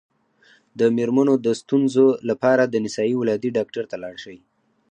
د میرمنو د ستونزو لپاره د نسایي ولادي ډاکټر ته لاړ شئ